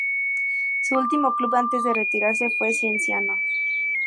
Su último club antes de retirarse fue Cienciano.